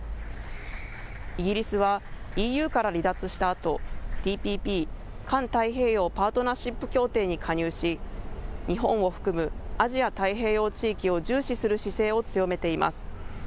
イギリスはＥＵから離脱したあと、ＴＰＰ・環太平洋パートナーシップ協定に加入し、日本を含むアジア太平洋地域を重視する姿勢を強めています。